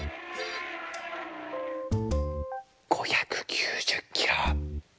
５９０キロ。